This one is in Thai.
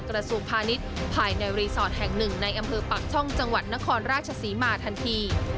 กระทรวงพาณิชย์ภายในรีสอร์ทแห่งหนึ่งในอำเภอปากช่องจังหวัดนครราชศรีมาทันที